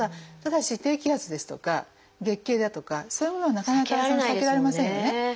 ただし「低気圧」ですとか「月経」だとかそういうものはなかなか避けられませんよね。